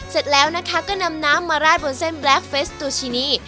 เสร็จแล้วนะคะก็นำน้ำมาราดบนเส้นแบล็คเฟสตูชินี